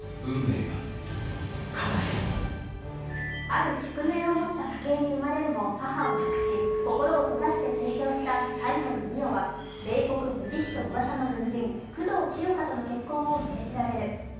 ある宿命を持った家系に生まれるも、母を亡くし心を閉ざして成長した斎森美世は冷酷無慈悲とうわさの軍人、久堂清霞との結婚を命じられる。